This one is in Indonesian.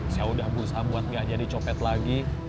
saya udah berusaha buat gak jadi copet lagi